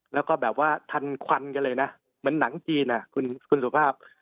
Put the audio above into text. แล้วก็แบบว่าทันควันกันเลยนะเหมือนหนังจีนอ่ะคุณสุภาพ